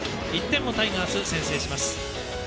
１点をタイガース先制します。